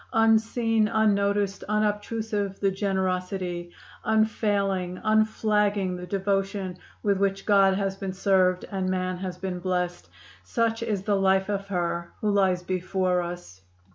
Unseen, unnoticed, unobtrusive the generosity; unfailing, unflagging the devotion with which God has been served and man has been blessed such is the life of her who lies before us.